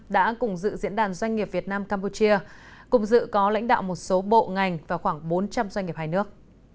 đã cùng dự diễn đàn doanh nghiệp việt nam campuchia cùng dự có lãnh đạo một số bộ ngành và khoảng bốn trăm linh doanh nghiệp hai nước